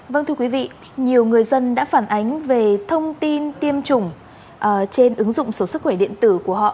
vâng thưa quý vị nhiều người dân đã phản ánh về thông tin tiêm chủng trên ứng dụng số sức khỏe điện tử của họ